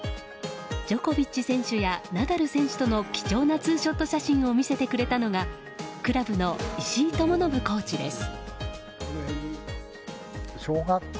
ジョコビッチ選手やナダル選手との貴重なツーショット写真を見せてくれたのがクラブの石井知信コーチです。